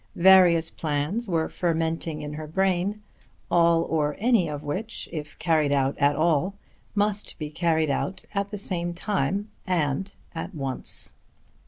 Various plans were fermenting in her brain; all, or any of which, if carried out at all, must be carried out at the same time and at once.